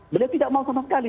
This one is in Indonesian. beliau tidak mau sama sekali